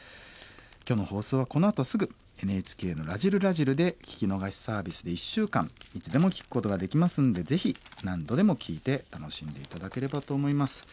今日の放送はこのあとすぐＮＨＫの「らじる★らじる」で聴き逃しサービスで１週間いつでも聴くことができますんでぜひ何度でも聴いて楽しんで頂ければと思います。